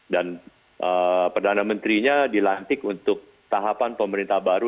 dan perdana menterinya dilantik untuk tahapan pemerintah baru